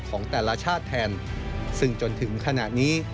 ของแต่ละชาติแทนซึ่งจนถึงขณะนี้